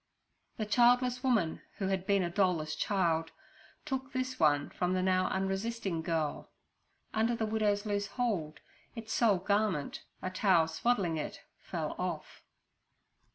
The childless woman, who had been a doll less child, took this one from the now unresisting girl. Under the widow's loose hold its sole garment, a towel swaddling it, fell off.